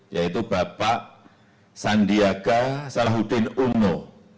yaitu bapak sandiaga salahuddin uno